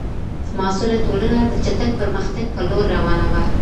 معاصره ټولنه د چټک پرمختګ په لور روانه وه.